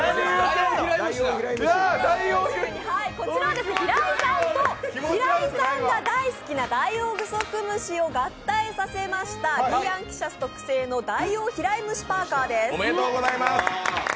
こちらは平井さんと平井さんが大好きなダイオウグソクムシを合体させました、ｂｅａｎｘｉｏｕｓ特製のダイオウ平井ムシパーカーです。